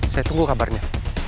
saya tunggu kabarnya